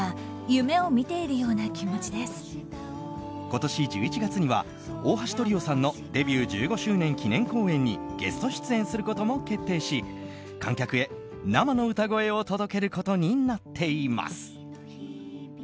今年１１月には大橋トリオさんのデビュー１５周年記念公演にゲスト出演することも決定し観客へ生の歌声を届けることになっています。